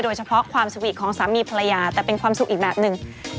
โดยเฉพาะความสวีทของสามีภรรยาแต่เป็นความสุขอีกแบบหนึ่ง